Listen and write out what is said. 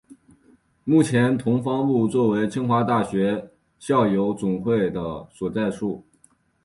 目前同方部作为清华大学校友总会的所在处。